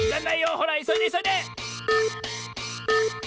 ほらいそいでいそいで！